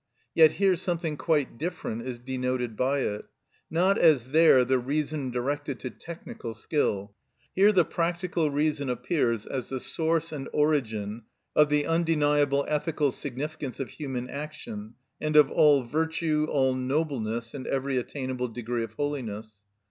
Yet here something quite different is denoted by it—not as there, the reason directed to technical skill. Here the practical reason appears as the source and origin of the undeniable ethical significance of human action, and of all virtue, all nobleness, and every attainable degree of holiness.